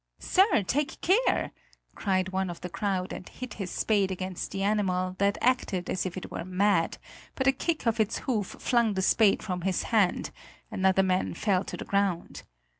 "Sir, take care!" cried one of the crowd and hit his spade against the animal that acted as if it were mad; but a kick of its hoof flung the spade from his hand; another man fell to the ground.